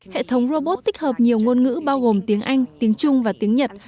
hệ thống robot tích hợp nhiều ngôn ngữ bao gồm tiếng anh tiếng trung và tiếng nhật